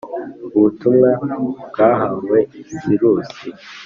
ubutumwa bwahawe sirusi